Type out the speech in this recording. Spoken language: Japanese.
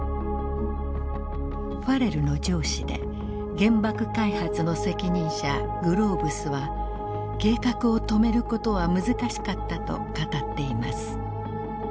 ファレルの上司で原爆開発の責任者グローブスは計画を止めることは難しかったと語っています。